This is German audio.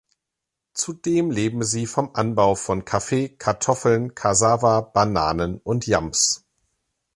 Zudem leben sie vom Anbau von Kaffee, Kartoffeln, Cassava, Bananen und Yams.